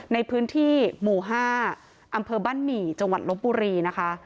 ในพื้นที่หมู่๕อำเภอบ้านหมี่จังหวัดลบบุรีนะคะ